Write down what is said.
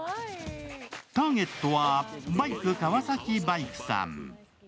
ターゲットはバイク川崎バイクさん。